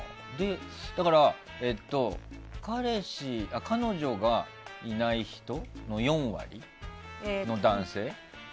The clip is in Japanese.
だから彼女がいない人の４割の男性？